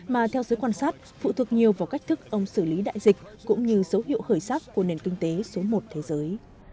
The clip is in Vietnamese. mà theo giới quan sát phụ thuộc nhiều vào cách thức ông xử lý đại dịch cũng như dấu hiệu khởi sắc của nền kinh tế số một thế giới